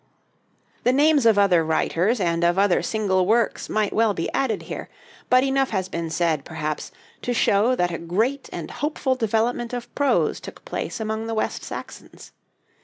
The names of other writers and of other single works might well be added here. But enough has been said, perhaps, to show that a great and hopeful development of prose took place among the West Saxons.